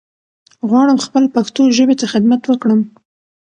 غواړم خپل پښتو ژبې ته خدمت وکړم